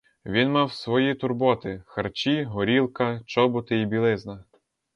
Він мав свої турботи — харчі, горілка, чоботи і білизна.